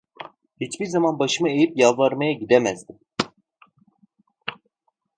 Hiçbir zaman başımı eğip yalvarmaya gidemezdim.